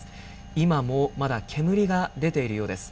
今もまだ煙が出ているようです。